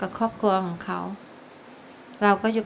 ทั้งในเรื่องของการทำงานเคยทำนานแล้วเกิดปัญหาน้อย